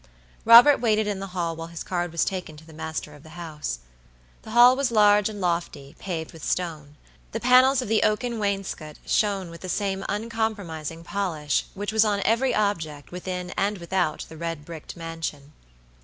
Robert waited in the hall while his card was taken to the master of the house. The hall was large and lofty, paved with stone. The panels of the oaken wainscot shone with the same uncompromising polish which was on every object within and without the red bricked mansion.